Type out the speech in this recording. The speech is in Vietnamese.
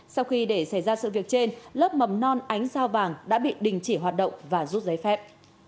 sau khi để xảy ra sự việc trên lớp mầm non ánh sao vàng đã bị đình chỉ hoạt động và rút giấy phép